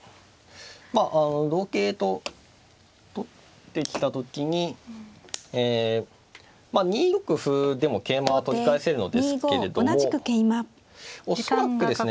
まあ同桂と取ってきた時に２六歩でも桂馬は取り返せるのですけれども恐らくですね